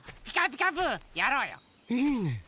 いいね！